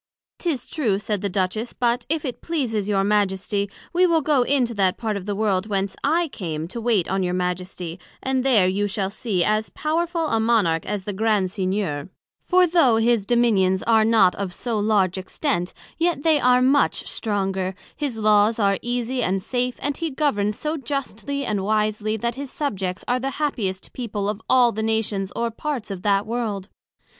'Tis true, said the Duchess; but if it pleases your Majesty, we will go into that part of the World whence I came to wait on your Majesty, and there you shall see as powerful a Monarch as the Grand Signior; for though his Dominions are not of so large extent, yet they are much stronger, his Laws are easie and safe, and he governs so justly and wisely, that his Subjects are the happiest people of all the Nations or parts of that World.